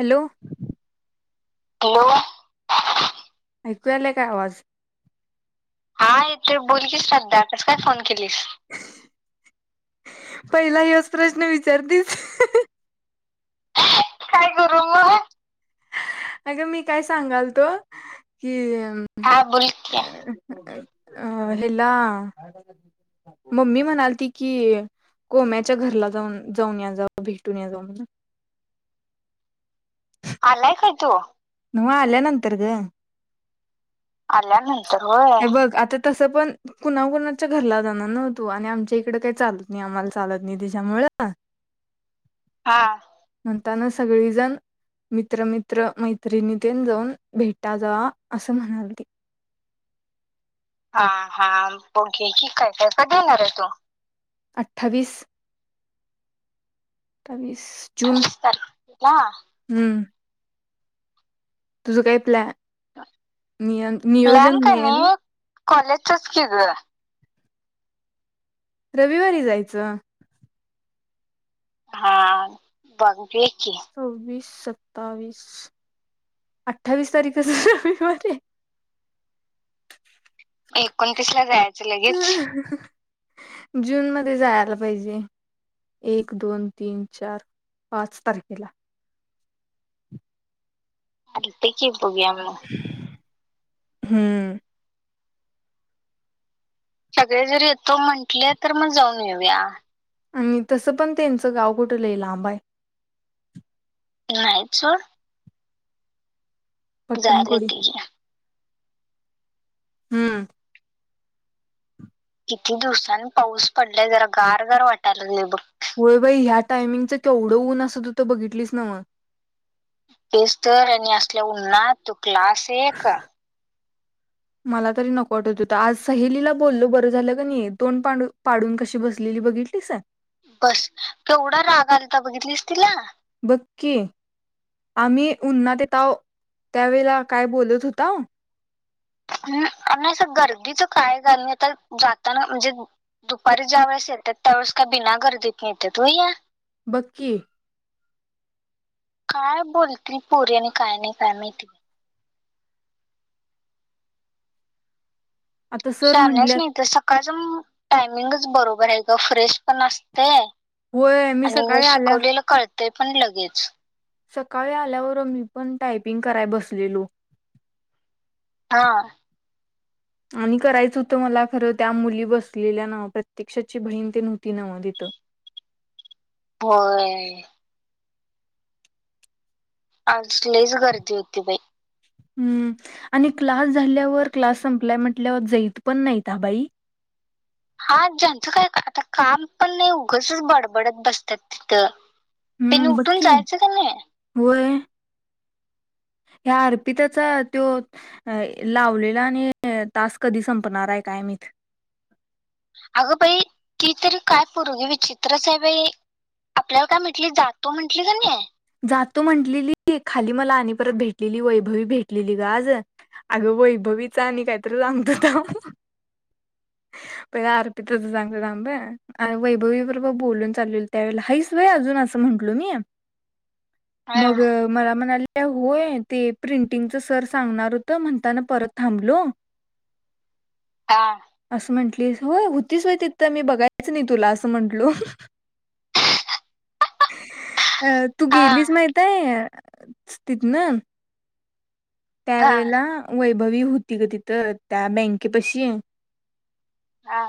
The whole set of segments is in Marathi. हॅलो ओ ऐकू यायला काय आवाज? हा येतोय बोल की सध आता काय फोन केलीस? पहिला ह्योच प्रश्न विचारतीस. काय करू म. अग मी काय सांगाल तो, की हा, बोल किया. अं हेला मम्मी म्हणालती कि, कोम्याच्या घरला जाऊन जाऊन याच भेटून या जाऊन. आला ये काय तो? म आल्या नंतर ग. आल्यानंतर होय बघ आता तस पण कुणा कुणा णाच्या घरला जाणार ना तू? आणि आमच्या इकड काही चालत नाही आम्हाला चालत नाही तीच्यामुळे. हा. त्यांना सगळीजण मित्र मित्र मै त्रिणी तीन जाऊन, भेटा जावा. असं म्हणाल त हा हा बघे. ठीक आहे. का कधी येणार आहे तो? अठ्ठावीस, अठ्ठावीस जून, अठ्ठावीस तारखेला हम्म. तुझं काय प्लॅ निय नियोजन नई ये ना? कॉलेजच च की गं. रविवारी जायचं. हा, बघु. ये की. सव्वीस, सत्तावीस, अठ्ठावीस तारीख रविवारी ये. एकोणतीस ला जायचं लगेच? जून मध्ये जायला पाहिजे एक, दोन, तीन, चार, पाच तारखेला. चालंत कि. [unintelligible] हं. सगळे जर येतो म्हंटले, तर मग जाऊन येऊया. आणि तसं पण त्यांचं गाव कुठ लई लांब आहे? नाहीत, सोड. झालं पट्टणकोडी कि ये हं. किती दिवसांनी पाऊस पडलाय जरा गार गार वाटायं लागलंय बघ. होय बाई. ह्या टायमिंगच केवढं ऊन असंत? तूतं बघितलीस नव्हं. तेच तर आणि असल्या उन्हात क्लास एक, मला तरी नको वाटत होत. आज सहेलीला बोललो बरं झालं कणी. तोंड पाडून कशी बसलेली बघितलीस का? बसं! केवढा राग आलंता बघितलीस तिला? बक्की आम्ही उन्हात येतावं त्यावेळेला काय बोलत होताव हम् नाही असं गर्दीचं काय झालं तर जाताना म्हणजे दुपारी ज्या वेळेस येतात त्यावेेळेस काय बिना गर्दीतंन येत्यात व्हं ह्या बगं कि काय बोलतिल पोरी आणि काय नाही काय माहिती आता सर शाहणी आहेस म्हटल्यात नितं सकाळ टायमिंगच बरोबर आहे, गं फ्रेश पण असतंय होय मी सकाळी आल्या ते पण लगेच सकाळी आल्यावर मी पण टायपिंग कराय बसलेलो हा. आणि करायच होतं, मला खरं त्या मुली बसलेल्या नव्हं प्रतिक्षा ची बहीण तेण होती नव्हं तिथं होय. आज लईच गर्दी होती बाई हम्म आणि क्लास झाल्यावर क्लास संपलायं, म्हंटल्यावर जाईत पण नाहीता बाई हा ज्यांचं काय आता काम पण नाही उगचचं बडबडत बसत्यात तिथं त्यांनी हम्म उठून बघकी जायचं का नाही होय ह्या अर्पिताचा त्यो लावलेला आणि तास कधी संपणार आहे काय माहित अगं बाई ती तरी काय पोरगी विचित्रचं आहे, बाई आपल्याला काय म्हटली जातो म्हंटली कणी जातो म्हटलेली खाली मला आणि परत भेटलेली, वैभवी भेटलेली गं आज अगं वैभवीच आणि काहीतर सांगतो थांब पहिलं अर्पिताच सांगत थांब ह् वैभवी बरोबर बोलून चाललेलो त्या वळेला हाईस व्हं अजून असं म्हंटलो मी हं, मग मला म्हणाली तर होय ते प्रिंटिंगच सर सांगणार होतं, म्हंणताना परत थांबलो हा असं म्हंटलं प्लीज हो होतीच होय तिथं मी बघायच नाही, तुला असं म्हंटलो अ तू हा गेलीस माहित आहे. तिथंन हा त्यावेळेला, वै भवी होती ग तिथं, त्या बँकेपाशी हा.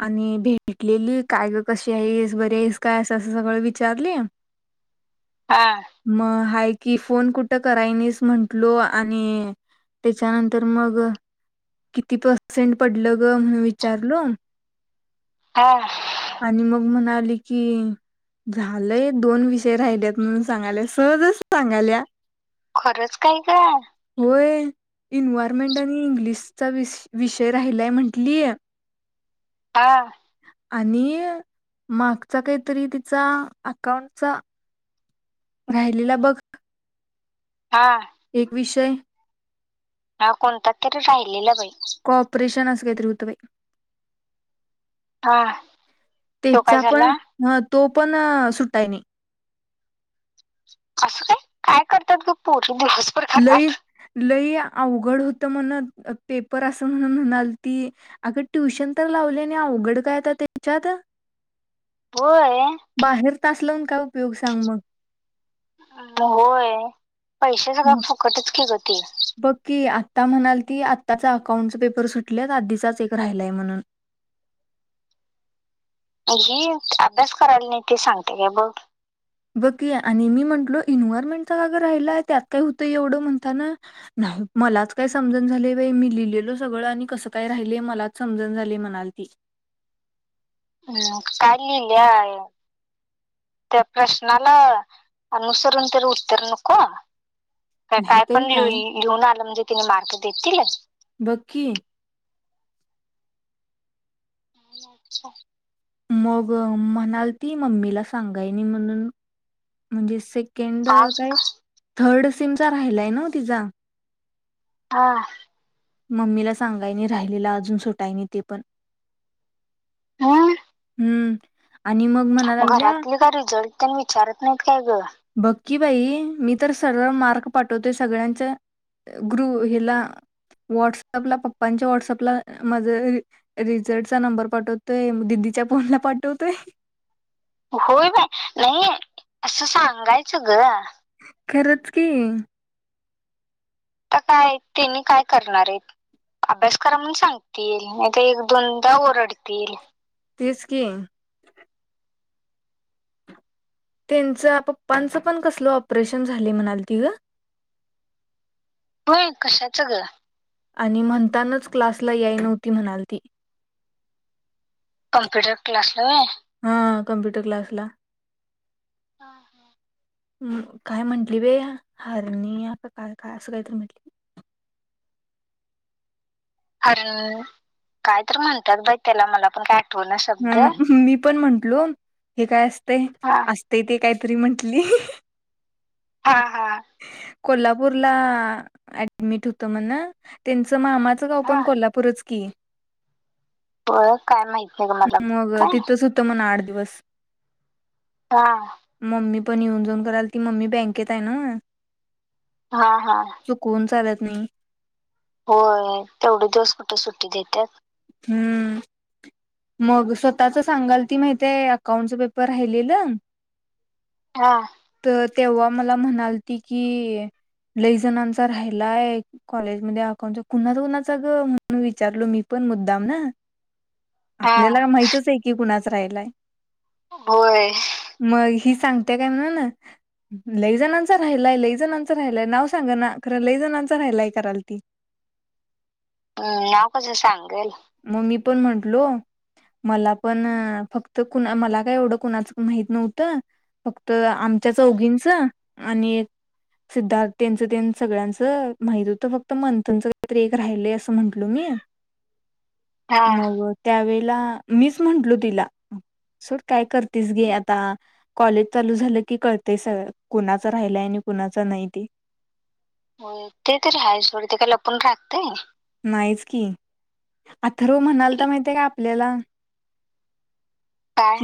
आणि भेटलेली काय ग कशी आहेस, बर आहेस काय अस असं सगळं विचारली हा म हाय की फोन कुठं करायणीस म्हंटलो, आणि त्याच्यानंतर मग किती पर्सेंट पडलं ग म्हणून विचारलो, हा आणि मग म्हणा की झालंय, दोन विषय राहिल्यात म्हणून सांगाल्या सहज सांगाल्या. खरंच काय गं. होय इनवारमेंट आणि इंग्लिशचा वि विषय राहिलाय म्हंटलीय, हा. आणि मागचा काहीतरी तिचा अकाउंटचा राहिलेला बघ हा. एक विषय. हा कोणता तरी राहिलेला बाई, कॉपरेशन अस कायतरी हुत बाई, हा तो काय त्याचा पण झाला. ह तो पण सुटाय नाही. असं काय? काय करतात. गं पो लय, लय अवघड होत तर म्हण पेपर असं म्हणून म्हणालती, अगं ट्युशन तर लावली नी अवघड काय आता त्याच्यात होय बाहेर तास लावून काय उपयोग सांग मग होय. पैसे सगंळ मग फुकटच कि गं बघ की आता म्हणाल ती, आताच अकाउंटच पेपर सुटल्यात आधीचाच एक राहिलाय म्हणून. ही अभ्यास करायला नाही ते सांगते का बघ. बघ की, आणि म्हंटलो इन्वयरमेंटच का गं राहिलंय? त्यात काय होतं एवढं म्हणताना, नाही मलाच काय समजण झालेल बाई मी लिहिलेल सगळं आणि कसं काय राहिल मलाच समजणा झालीय म्हणालती. हम्, काय लिहिलं, त्या प्रश्नाला अनुसरून तरी उत्तर नको? का काय पण लि लिहून आलं म्हणजे तिने मार्क देतील. बघ की ह अच्छा! मग म्हणालती, मम्मीला सांगाय नाही म्हणून म्हणजे सेक् केड हा काय थर्ड सिमचा राहिलाय न्हव, तिचा हा मम्मीला सांगायनी राहिलेला अजून सुटायनी ते पण होय. हम्म आणि मग म्हणा लागल्या घरातले काय रिझल्ट तेन विचारत नाहीत काय ग बघ की बाई, मी तर सरळ मार्क पाठवतोय सगळ्यांच्या ग्रु हिला व्हॉट्सअपला पप्पांच्या व्हॉटसअपला माझ रिझल्टचा नंबर पाठवतोय दिदीच्या फोनला पाठवतोय. होय बाय नाही, असं सांगायचं ग. खरंच की आता काय त्यांनी काय करणार आहेत अभ्यास करा म्हणून सांगतील नाही तर एक दोनदा ओरडतील. तेच की त्यांच पप्पांच पण कसलं ऑपरेशन झाली म्हणालती की ग होय कशाच ग आणि म्हणतानाच क्लासला याई नव्हती म्हणालती कंम्प्युटर क्लासला व्हय हा कम्प्युटर क्लासला हा काय म्हंटली बे हारणी काय काय असं काहीतरी म्हटली अर काय तर म्हणत्यात बाई त्याला मला पण काय आठवना शब्द हूं मी पण म्हण हलो हे काय अस ते हा असते ते काही री म्हंटली हा हा! कोल्हापूरला ऍडमिट होत म्हण त्यांच मामाचं गाव हा पण कोल्हापूरच की. होय काय माहित नाही ग मला मग काय तिथंच होतं म्हण आठ दिवस हा! मम्मी पण येऊन जाऊन करालती मम्मी बँकेत आहे ना. हा हा! हूं! होय तेवढे दिवस कुठे सुट्टी देत्यात. हूं! मग स्वतःच सांगालती माहिती आहे अकाउंटच पेपर राहिलेलं हा! तर तेव्हा मला म्हणालती की लई जणांचा राहिलाय कॉलेज मध्ये अकाउंटचा, कुणा कुणाचा ग म्हणून विचारलो मी पण मुद्दाम ना. हा आपल्याला, माहितच आहे की कुणाच. राहिलाय. होय मग ही सांग. ते काय म्हणाला? लई जणांचा राहिलाय, लई जणांचं राहिलाय, नाव सांग ना खरं लई जणांच राहिलाय, कराल ती अ नाव कसं सांगल. म मी पण म्हंटलो. मला पण फक त कुणा मला काय एवढं कुणाच माहीत नव्हतं फक तर आमच्या चौघींच. आणि सिद्धार्थ त्यांच त्यां सगळ्यांचं माहित होत, फक्त मंथनच काहीतरी एक राहिलय असं म्हंटलो मी. हा मव त्यावेळी. मीच म्हनलो तिला सोड काय कर तीस घे आता. कॉलेज चालू झालं की कळतय सगळ, कुणाच राहिलाय, आणि कुणाच नाही ते. हो ते तररी हा यच थोडं ते काय लपूण राहतय. नाईच की अथर्व म्हणालता महिताय, काय आपल्याल काय?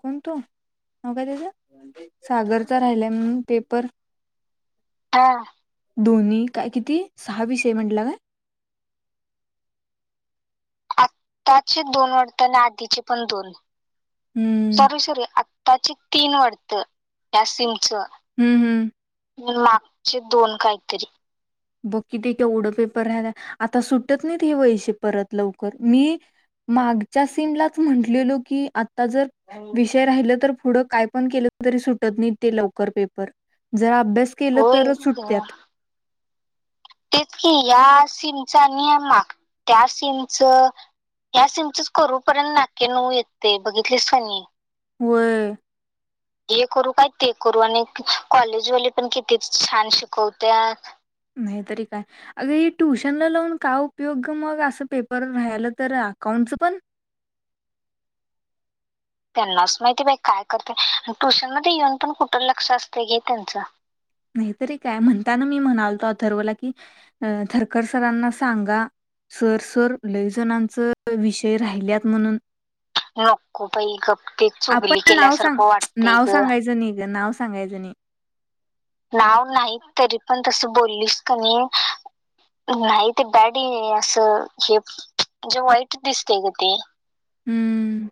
कोणतो नाव काय त्याच, सागरचा राहिलाय म्हणून पेपर. हा! दोन्ही काय किती सहा विषय म्हंटला काय. आत्ताचे दोन वाटत आणि आधीचे पण दोन हम्म सॉरी सॉरी आताची तीन वाडत या सिमचं. हम्म हम्म. मागचे दोन काहीतरी बगकी ते एवढं पेपर राहाला आता सुटत नाही हे वैशे परत लवकर मी मागच्या सेमलाच म्हटलेलो की आता जर विषय राहिल तर पुढं काय पण केलं तरी सुटत नाही ते लवकर पेपर जर आपण अभ्यास केलं होय तर ग. सुटत्यात. तेच की या सीमच आणि या माग त्या सीमच या सीमच करूपर्यंत नाकी नऊ येत ते बघितलीस कनी. व्हय. हे करू काय ते करू आणि कॉलेजवाली पण किती छान शिकवत्यात. नाही तरी काय अग ही ट्युशनला लावून काय उपयोग ग मग असं पेपर राहिलं तर अकाउंटचं पण त्यांनाच माहिती बाई काय करते ट्युशन मध्ये येऊन पण कुठ लक्ष असत घे त्यांचं. नाहीतरी काय म्हणताना मी म्हणालतो अथर्वला की अ थरकर सरांना सांगा सर सर लयजणांच विषय राहिल्यात म्हणून. नोको बाई गप. ते चुगली आपण नाव सांग केल्यासारखं वाटतंय नाव ग. सांगायचं नाही ग नाव सांगायच नी. नाव नाही तरी पण तस बोललीस कनी नाही ते बॅड असं हे म्हणजे वाईट दिसते ग ते. हम्म.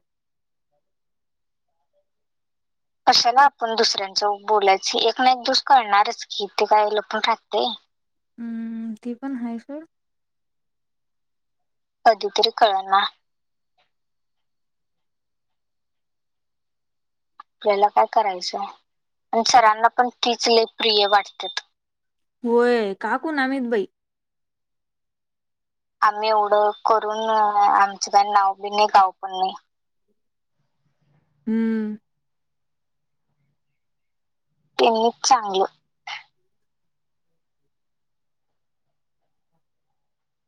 कशाला आपण दुसऱ्यांच बोलायची एक ना एक दिवस कळणारच की ते काय लपून राहतेय. हम्म तिपन हाय सोड. कधी तरी कळना आपल्याला काय करायचंय पन सरांना पण तीच लय प्रिय वाटत्यात. होय का कुणा माहिती बाई. आम्ही एवढं करून अ आमचं काही नाव बी नाही गाव पण नाही. हम्म. तेनीच चांगलं.